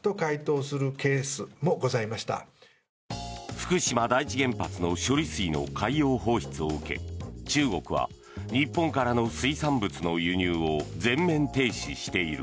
福島第一原発の処理水の海洋放出を受け中国は日本からの水産物の輸入を全面停止している。